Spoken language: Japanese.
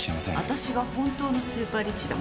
私が本当のスーパーリッチだもの。